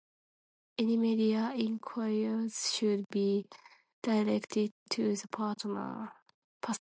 Any media inquiries should be directed to the pastor.